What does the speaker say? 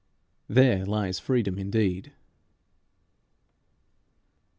There lies freedom indeed.